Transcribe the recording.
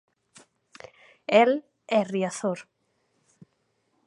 El e Riazor.